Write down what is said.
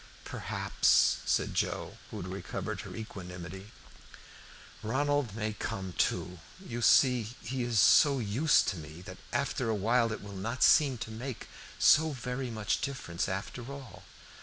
"Perhaps," said Joe, who had recovered her equanimity, "Ronald may come too. You see he is so used to me that after a while it will not seem to make so very much difference after all."